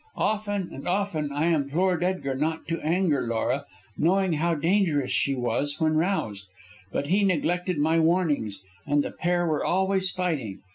Often and often I implored Edgar not to anger Laura, knowing how dangerous she was when roused. But he neglected my warnings, and the pair were always fighting.